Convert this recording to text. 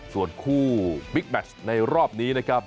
ส่วนคู่บิ๊กแมชในรอบนี้นะครับ